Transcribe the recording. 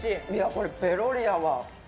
これぺロリやわ。